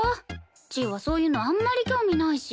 ちぃはそういうのあんまり興味ないし。